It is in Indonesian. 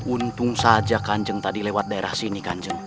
untung saja kanjeng tadi lewat daerah sini kanjeng